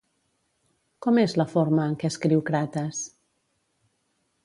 Com és la forma en què escriu Crates?